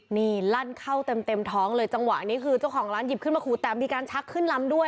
นี่ลั่นเข้าเต็มเต็มท้องเลยจังหวะนี้คือเจ้าของร้านหยิบขึ้นมาขู่แต่มีการชักขึ้นลำด้วย